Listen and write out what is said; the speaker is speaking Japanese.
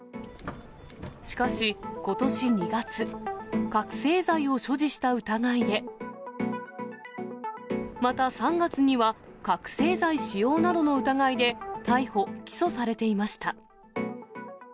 しかし、ことし２月、覚醒剤を所持した疑いで、また３月には覚醒剤使用などの疑いで逮捕・起訴されていました。